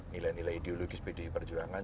nilai nilai ideologis pdi perjuangan